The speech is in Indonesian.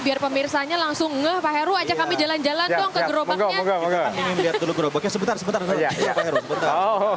biar pemirsa nya langsung ngeh pak heru aja kami jalan jalan dong ke gerobaknya sebetulnya sebetulnya